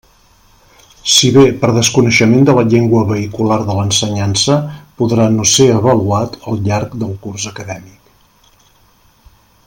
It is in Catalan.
Si bé, per desconeixement de la llengua vehicular de l'ensenyança podrà no ser avaluat al llarg del curs acadèmic.